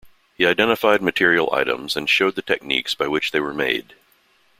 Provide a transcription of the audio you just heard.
He identified material items and showed the techniques by which they were made.